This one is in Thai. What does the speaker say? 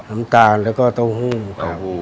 น้ำตาลแล้วก็เต้าหู้ครับ